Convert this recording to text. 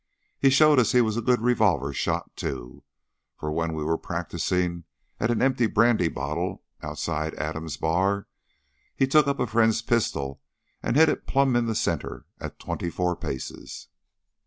He showed us he was a good revolver shot too, for when we were practising at an empty brandy bottle outside Adams' bar, he took up a friend's pistol and hit it plumb in the centre at twenty four paces.